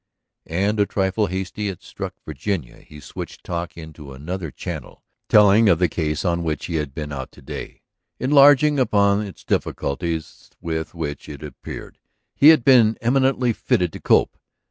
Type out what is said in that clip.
And, a trifle hastily it struck Virginia, he switched talk into another channel, telling of the case on which he had been out to day, enlarging upon its difficulties, with which, it appeared, he had been eminently fitted to cope.